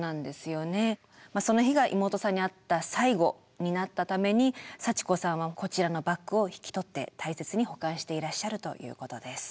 その日が妹さんに会った最後になったために幸子さんはこちらのバッグを引き取って大切に保管していらっしゃるということです。